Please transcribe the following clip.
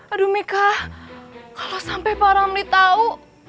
aduh meka kalo sampe pak ramli tau